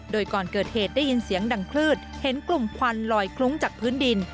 โดยก่อนเกิดเหตุได้ยินเสียงดังคลืดเห็นกลุ่มควันลอยคลุ้งจากพื้นดิน